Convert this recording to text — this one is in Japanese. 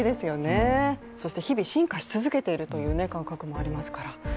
そして、日々進化し続けているという感覚もありますから。